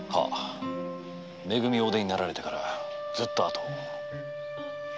「め組」をお出になられてからずっと後を。